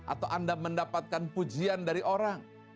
atau anda mendapatkan pujian dari orang